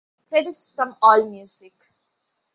Credits from Allmusic.